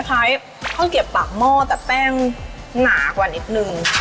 อื้อคล้ายเขาเก็บต่างหม้อแต่แป้งหนากว่านิดนึง